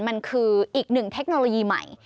มันคืออีกหนึ่งเทคโนโลยีใหม่